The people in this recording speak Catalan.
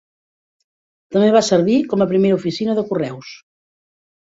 També va servir com a primera oficina de correus.